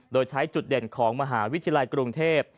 โดยใช้จุดเด่นของมหาวิทยาลัยกรุงเทพ